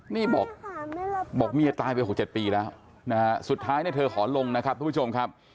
นี่บอกเมียตายไปหกเจ็ดปีแล้วสุดท้ายเธอขอลงนะครับทุกผู้ชมครับ